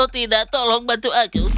tidak tolong bantu aku